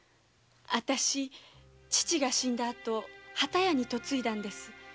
あたし父が死んだ後機屋に嫁いだんです。